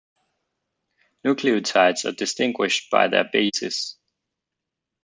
Nucleotides are distinguished by their bases.